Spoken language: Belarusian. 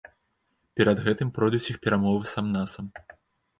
Перад гэтым пройдуць іх перамовы сам-насам.